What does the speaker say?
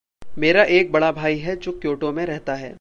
मेरा एक बड़ा भाई है जो क्योटो में रहता है।